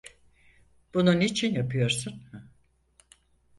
Bunu niçin yapıyorsun?